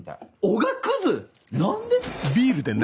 おがくず⁉何で？